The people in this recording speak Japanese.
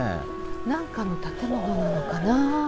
何かの建物なのかな？